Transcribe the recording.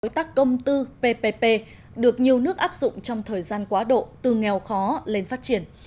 đối tác công tư ppp được nhiều nước áp dụng trong thời gian quá độ từ nghèo khó lên phát triển